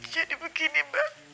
jadi begini mbak